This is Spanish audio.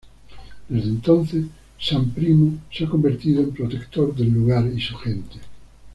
Desde entonces san Primo se ha convertido en protector del lugar y su gente.